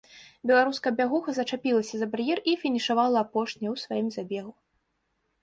Беларуская бягуха зачапілася за бар'ер і фінішавала апошняй у сваім забегу.